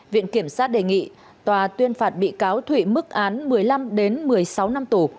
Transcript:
viện kiểm sát đề nghị tòa tuyên phạt bị cáo thụy mức án một mươi năm một mươi sáu năm tù